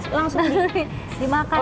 langsung dimakan sama sausnya